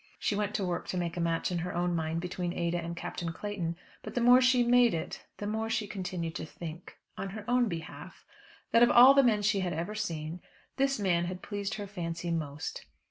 She went to work to make a match in her own mind between Ada and Captain Clayton; but the more she made it, the more she continued to think on her own behalf that of all men she had ever seen, this man had pleased her fancy most.